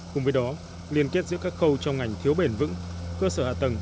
cùng với đó liên kết giữa các khâu trong ngành thiếu bền vững cơ sở hạ tầng